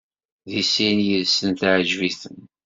Deg sin yid-sen teɛjeb-iten.